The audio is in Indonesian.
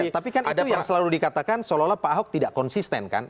tapi kan itu yang selalu dikatakan seolah olah pak ahok tidak konsisten kan